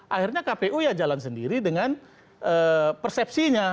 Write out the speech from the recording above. akhirnya kpu ya jalan sendiri dengan persepsinya